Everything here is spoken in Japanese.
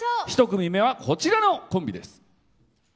１組目は、こちらのコンビ。